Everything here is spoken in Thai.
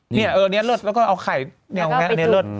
เนี่ยเออเนี่ยเลิศแล้วก็เอาไข่เนี่ยเอาไงเนี่ยเลิศ